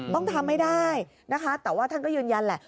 ต้องทำให้ได้นะคะแต่ว่าท่านก็ยืนยันแหละ